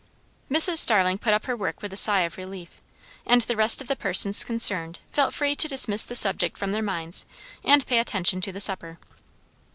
Mrs. Starling put up her work with a sigh of relief; and the rest of the persons concerned felt free to dismiss the subject from their minds and pay attention to the supper.